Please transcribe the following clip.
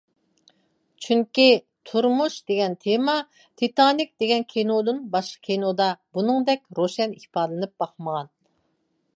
چۈنكى تۇرمۇش دېگەن تېما، تىتانىك دېگەن كىنودىن باشقا كىنودا بۇنىڭدەك روشەن ئىپادىلىنىپ باقمىغان.